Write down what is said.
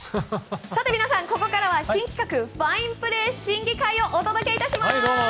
さて、皆さんここからは新企画ファインプレー審議会をお届け致します。